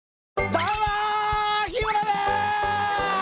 どうも日村です！